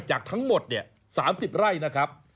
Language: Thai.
จากทั้งหมด๓๐ไร่นะครับ